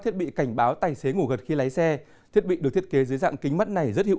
thiết bị cảnh báo tài xế ngủ gật khi lái xe thiết bị được thiết kế dưới dạng kính mắt này rất hiệu